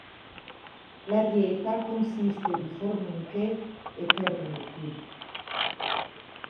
La dieta consiste di formiche e termiti.